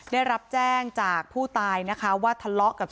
ได้รับแจ้งจากผู้ตายนะคะว่าทะเลาะกับ